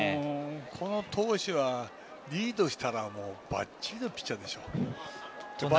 この投手はリードしたらばっちりのピッチャーでしょう。